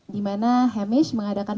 di mana hemish mengadakan